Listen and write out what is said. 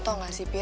tau gak sih